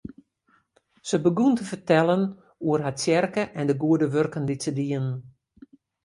Se begûn te fertellen oer har tsjerke en de goede wurken dy't se dienen.